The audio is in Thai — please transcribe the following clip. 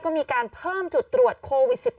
กล้องกว้างอย่างเดียว